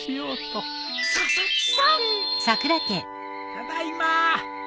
ただいまー。